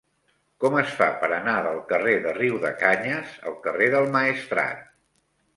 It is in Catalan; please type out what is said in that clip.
Com es fa per anar del carrer de Riudecanyes al carrer del Maestrat?